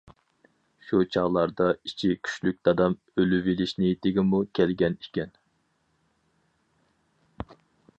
شۇ چاغلاردا ئىچى كۈچلۈك دادام ئۆلۈۋېلىش نىيىتىگىمۇ كەلگەن ئىكەن.